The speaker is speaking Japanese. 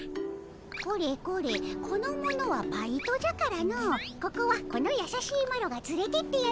これこれこの者はバイトじゃからのここはこのやさしいマロがつれてってやるでおじゃる。